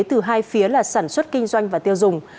từ hai phía là sản xuất kinh doanh và tiêu dùng